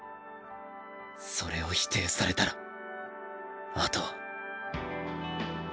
それを否定されたらあとは。